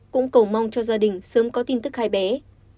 cũng cầu mong cho gia đình sớm có tin tức hai bé